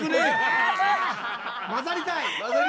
混ざりたい！